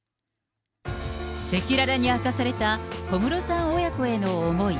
赤裸々に明かされた小室さん親子への思い。